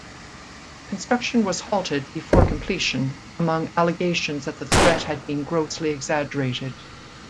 Construction was halted before completion, among allegations that the threat had been grossly exaggerated.